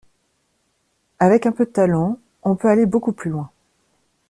Avec un peu de talent, on peut aller beaucoup plus loin.